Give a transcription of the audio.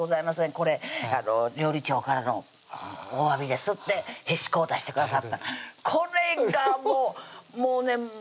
「これ料理長からのおわびです」とへしこを出してくださったこれがもう６切れぐらいしかなった